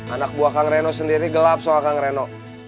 anak buah kang reno sendiri gelap soal kang reno